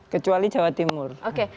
kecuali jawa timur